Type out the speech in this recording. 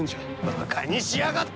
ばかにしやがって！